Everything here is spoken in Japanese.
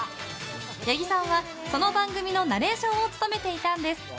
八木さんはその番組のナレーションを務めていたんです。